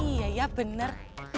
iya ya bener